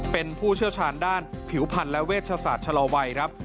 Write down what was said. เป็นผู้เชื่อชาญด้านผิวผัดและเวชศาสตร์ฉลอวัยรับ